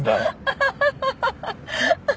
ハハハハ。